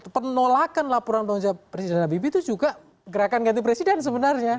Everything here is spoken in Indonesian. penolakan laporan tanggung jawab presiden habibie itu juga gerakan ganti presiden sebenarnya